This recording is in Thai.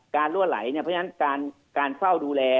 การรั่วไหลเนี่ยเพราะฉะนั้นการเฝ้าดูแล